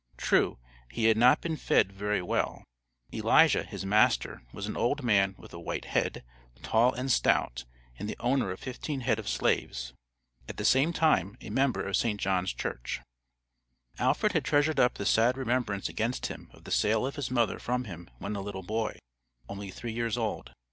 True, he had "not been fed very well;" Elijah, his master, was an old man with a white head, tall and stout, and the owner of fifteen head of slaves. At the same time, a member of St. John's church. Alfred had treasured up the sad remembrance against him of the sale of his mother from him when a little boy, only three years old.